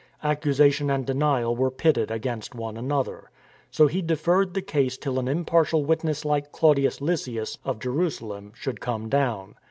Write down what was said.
Accusation and denial were pitted against one another. So he deferred the case till an impartial witness like Claudius Lysias, of Jeru salem, should come down.